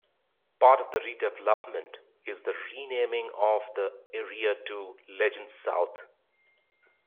Part of the redevelopment is the renaming of the area to "Legends South".